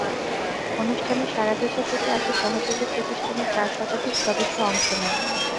অনুষ্ঠানে সারা দেশে থেকে আসা সহযোগী প্রতিষ্ঠানের চার শতাধিক সদস্য অংশ নেন।